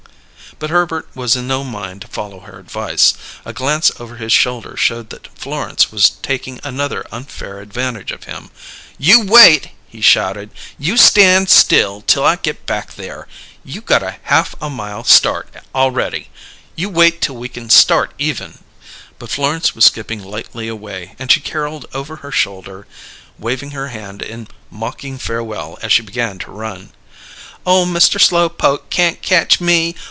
But Herbert was in no mind to follow her advice; a glance over his shoulder showed that Florence was taking another unfair advantage of him. "You wait!" he shouted. "You stand still till I get back there! You got half a mile start a'ready! You wait till we can start even!" But Florence was skipping lightly away and she caroled over her shoulder, waving her hand in mocking farewell as she began to run: "Ole Mister Slowpoke can't catch me!